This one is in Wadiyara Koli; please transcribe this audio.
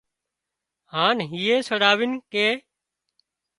هانَ هيئي سڙاوي ڪي